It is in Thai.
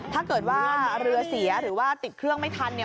ถ้าเกิดว่าเรือเสียหรือว่าติดเครื่องไม่ทันเนี่ย